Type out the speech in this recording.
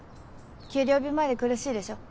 給料日前で苦しいでしょ。